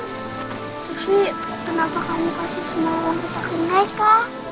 tapi kenapa kamu kasih semua orang kita ke mereka